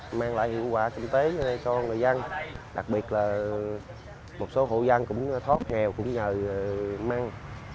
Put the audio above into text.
nó mang lại hiệu quả kinh tế cho người dân đặc biệt là một số hộ dân cũng thoát nghèo cũng nhờ măng